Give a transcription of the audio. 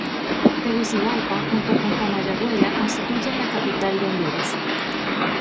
Tegucigalpa, junto con Comayagüela, constituyen la capital de Honduras.